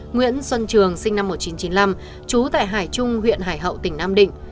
nguyễn xuân trường sinh năm một nghìn chín trăm chín mươi năm trú tại hải trung huyện hải hậu tỉnh nam định